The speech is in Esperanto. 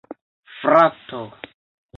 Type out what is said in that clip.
frato